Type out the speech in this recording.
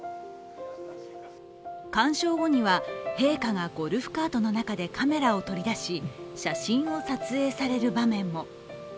観賞後には陛下がゴルフカートの中でカメラを取り出し写真を撮影される場面も。